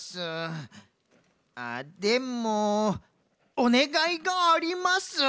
あでもおねがいがあります。